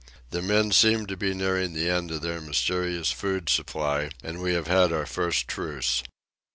The men seem to be nearing the end of their mysterious food supply, and we have had our first truce.